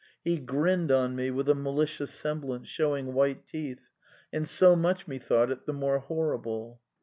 He grinned on me with a malicious semblance, shewing white teeth: and so much methought it the more horrible.